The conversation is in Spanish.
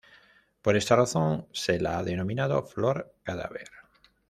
Por esta razón se la ha denominado "flor cadáver".